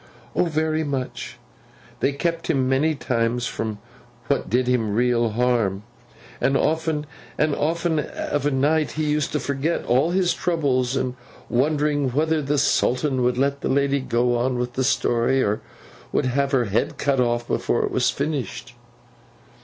'O very much! They kept him, many times, from what did him real harm. And often and often of a night, he used to forget all his troubles in wondering whether the Sultan would let the lady go on with the story, or would have her head cut off before it was finished.